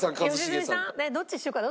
どっちにしようかな。